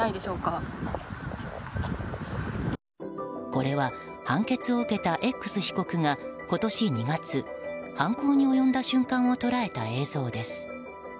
これは判決を受けたＸ被告が今年２月犯行に及んだ瞬間を捉えた映像です。